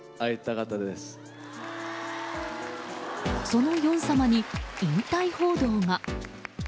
そのヨン様に引退報道が。